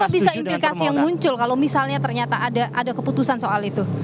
permohonan diskualifikasi yang muncul kalau misalnya ternyata ada keputusan soal itu